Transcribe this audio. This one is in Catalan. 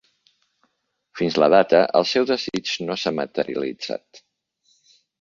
Fins a la data, el seu desig no s'ha materialitzat.